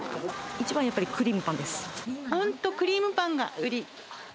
一番はやっぱりクリームパン本当、クリームパンが売り。